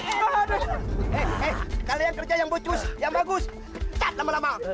eh hei kalian kerja yang bocus yang bagus cat lama lama